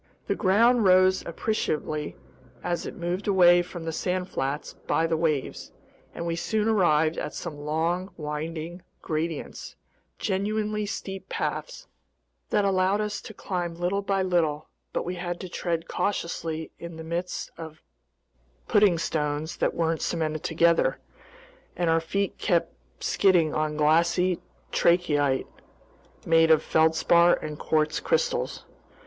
The ground rose appreciably as it moved away from the sand flats by the waves, and we soon arrived at some long, winding gradients, genuinely steep paths that allowed us to climb little by little; but we had to tread cautiously in the midst of pudding stones that weren't cemented together, and our feet kept skidding on glassy trachyte, made of feldspar and quartz crystals.